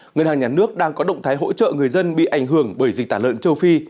ngân hàng nhà nước đang có động thái hỗ trợ người dân bị ảnh hưởng bởi dịch tả lợn châu phi